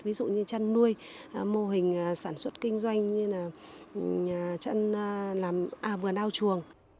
ví dụ như chăn nuôi mô hình sản xuất kinh doanh như là chăn làm vườn ao chuồng